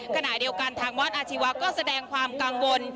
ขณะเดียวกันทางวัดอาชีวะก็แสดงความกังวล